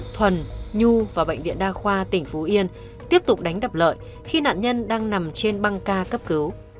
thuần nhu và bệnh viện đa khoa tỉnh phú yên tiếp tục đánh đập lợi khi nạn nhân đang nằm trên băng ca cấp cứu